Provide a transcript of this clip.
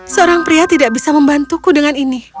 seorang pria tidak bisa membantuku dengan ini